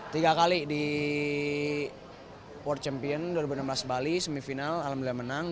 tiga kali di world champion dua ribu enam belas bali semifinal alhamdulillah menang